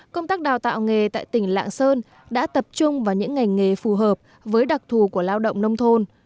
công tác đào tạo nghề tại tỉnh lạng sơn đã tập trung vào những ngành nghề phù hợp với đặc thù của lao động nông thôn